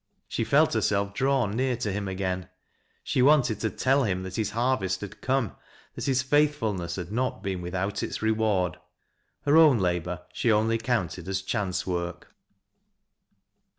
She felt herself drawn near to him again. She wanted to tell him that his harvest had come, that his faithfulness had not been without its reward. Her own labor she only counted as chance work.